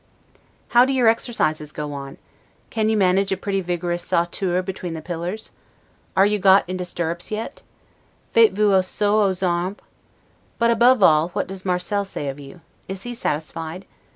How do your exercises go on? Can you manage a pretty vigorous 'sauteur' between the pillars? Are you got into stirrups yet? 'Faites vous assaut aux armes? But, above all, what does Marcel say of you? Is he satisfied?